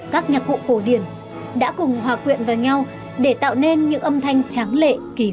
các nhạc cụ cổ điển đã cùng hòa quyện vào nhau để tạo nên những âm thanh tráng lệ kỳ vĩ